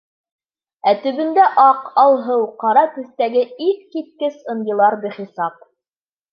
Ә төбөндә аҡ, алһыу, ҡара төҫтәге иҫ киткес ынйылар бихисап.